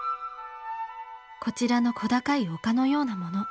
こちらの小高い丘のようなもの。